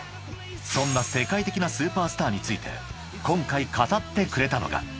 ［そんな世界的なスーパースターについて今回語ってくれたのが］